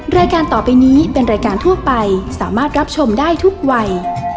รายการต่อไปนี้เป็นรายการทั่วไปสามารถรับชมได้ทุกวัย